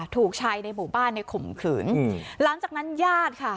ถูกชายในหมู่บ้านในข่มขืนหลังจากนั้นญาติค่ะ